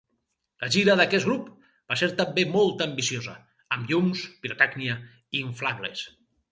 La gira d'aquest grup va ser també molt ambiciosa, amb llums, pirotècnia i inflables.